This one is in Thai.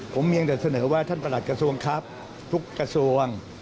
ผมเพียงแต่เสนอว่าท่านประหลัดกระทรวงครับทุกกระทรวง